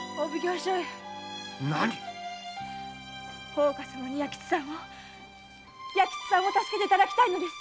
大岡様に弥吉さんを弥吉さんを助けていただきたいのです。